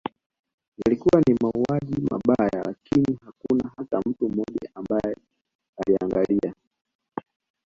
Yalikuwa ni mauaji mabaya lakini hakuna hata mtu mmoja ambaye aliangalia